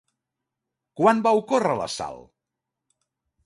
Quan va ocórrer l'assalt?